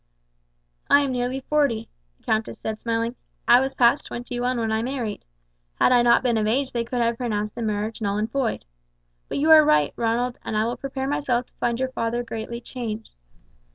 "I am nearly forty," the countess said smiling. "I was past twenty one when I married. Had I not been of age they could have pronounced the marriage null and void. But you are right, Ronald, and I will prepare myself to find your father greatly changed.